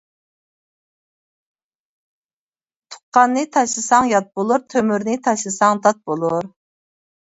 تۇغقاننى تاشلىساڭ يات بولۇر، تۆمۈرنى تاشلىساڭ دات بولۇر.